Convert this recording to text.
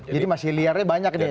jadi masih liarnya banyak nih ya